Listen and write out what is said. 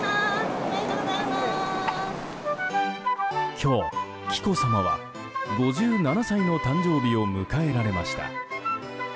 今日、紀子さまは５７歳の誕生日を迎えられました。